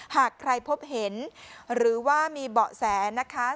หากใครพบเห็นหรือว่ามีเบาะแสนะคะ